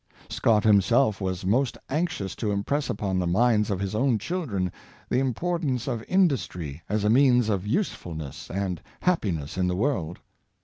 Scott himself was most anxious to impress upon the minds of his own children the importance of industry as a means of usefulness and 156 Scott and Southey, happiness in the world.